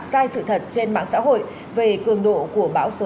sai sự thật trên mạng xã hội về cường độ của bão số năm